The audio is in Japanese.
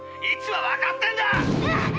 位置はわかってるんだ！